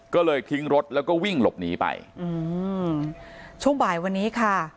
ก็เลยทิ้งรถแล้วก็วิ่งหลบหนีไปอืมช่วงบ่ายวันนี้ค่ะ